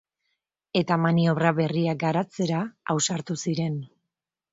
Eta maniobra berriak garatzera ausartu ziren.